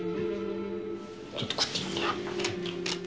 ちょっと食ってみるか。